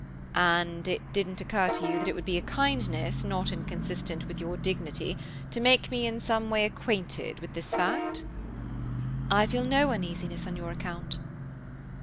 "And it didn't occur to you that it would be a kindness, not inconsistent with your dignity, to make me in some way acquainted with this fact?" "I feel no uneasiness on your account."